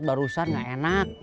barusan gak enak